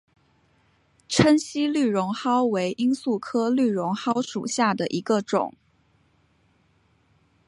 滇西绿绒蒿为罂粟科绿绒蒿属下的一个种。